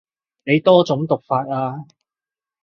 你多種讀法啊